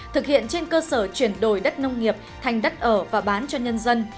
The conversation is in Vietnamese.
thực hiện trên cơ sở chuyển đổi đất nông nghiệp thành đất ở và bán cho nhân dân